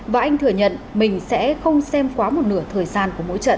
và anh thừa nhận mình sẽ không xem quá một nửa thời gian của mỗi trận